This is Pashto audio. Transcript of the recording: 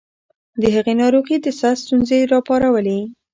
د هغې ناروغي د صحت ستونزې راوپارولې.